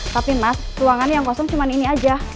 tapi mas ruangan yang kosong cuman ini aja